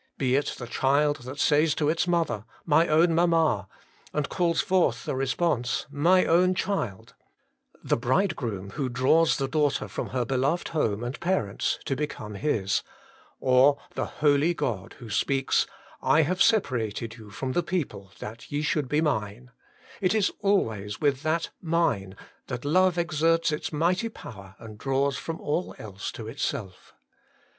Be it the child that says to its mother, My own mamma, and calls forth the response, My own child ; the bridegroom who draws the daughter from her beloved home and parents to become his ; or the Holy God who speaks :' I have separated you from the people, that ye should be Mine ;' it is always with that Mine that love exerts its mighty power, and draws from all else to itself.